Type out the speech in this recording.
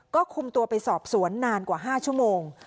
ก็คุมตัวไปสอบสวนนานกว่า๕ชั่วโมง